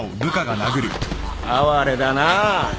哀れだな。